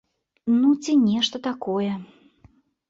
Ну, ці нешта такое.